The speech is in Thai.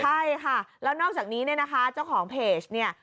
ใช่ค่ะแล้วนอกจากนี้เนี่ยนะคะเจ้าของเพจเนี่ย